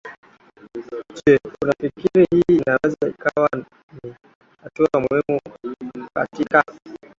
je unafikiri hii inaweza ikawa ni hatua muhimu katika